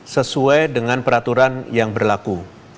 sesuai dengan peraturan yang berlaku